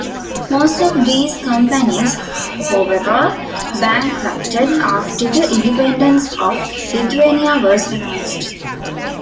Most of these companies however bankrupted after the Independence of Lithuania was announced.